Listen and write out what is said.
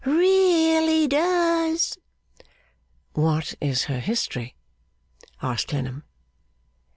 'Really does!' 'What is her history?' asked Clennam.